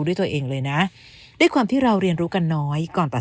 ด้วยตัวเองเลยนะด้วยความที่เราเรียนรู้กันน้อยก่อนตัด